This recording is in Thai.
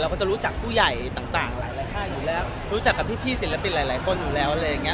ก็จะรู้จักผู้ใหญ่ต่างหลายค่ายอยู่แล้วรู้จักกับพี่ศิลปินหลายคนอยู่แล้วอะไรอย่างเงี้